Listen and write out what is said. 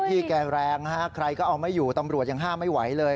พี่แกแรงนะฮะใครก็เอาไม่อยู่ตำรวจยังห้ามไม่ไหวเลย